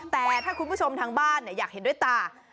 แต่ถ้าคุณผู้ชมทางบ้านอยากเห็นด้วยตา